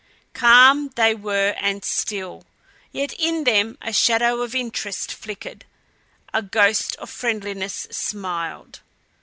Calm they were and still yet in them a shadow of interest flickered; a ghost of friendliness smiled.